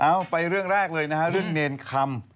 เอาไปเรื่องแรกเลยนะฮะเรื่องเนรคำ